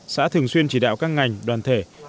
xã thường xuyên chỉ đạo các ngành đoàn thể